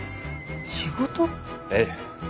ええ。